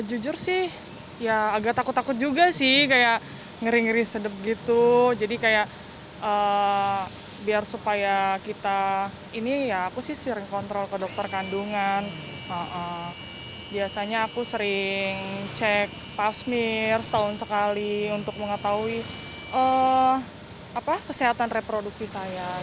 untuk mengetahui kesehatan reproduksi saya